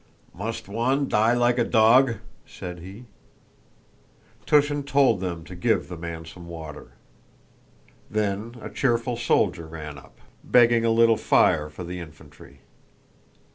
"Must one die like a dog?" said he. Túshin told them to give the man some water. Then a cheerful soldier ran up, begging a little fire for the infantry.